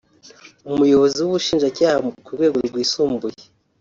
Umuyobozi w’ubushinjacyaha ku rwego rwisumbuye